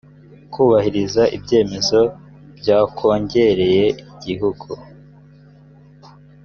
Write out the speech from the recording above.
kubahiriza ibyemezo bya kongere y igihugu